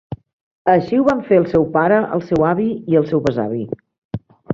Així ho van fer seu pare, el seu avi i el seu besavi.